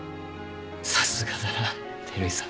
さすがだな照井さん。